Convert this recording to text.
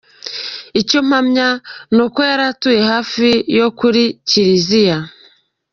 Icyo mpamya ni uko yari atuye hafi yo ku kiriziya.